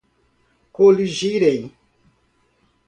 coligirem